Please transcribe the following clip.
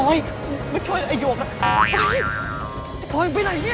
ไม่ใช่ไอ้หยวกนะ